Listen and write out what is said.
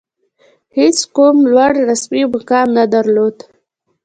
هېڅ کوم لوړ رسمي مقام نه درلود.